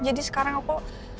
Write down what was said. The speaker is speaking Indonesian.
jadi sekarang aku